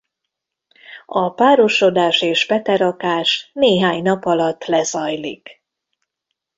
A párosodás és peterakás néhány nap alatt lezajlik.